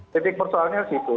titik persoalannya di situ